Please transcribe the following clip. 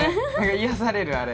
癒やされるあれ。